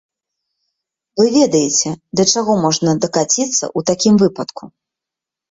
Вы ведаеце, да чаго можна дакаціцца ў такім выпадку.